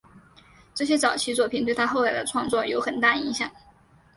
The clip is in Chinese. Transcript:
这些早期作品对他后来的创作有很大影响。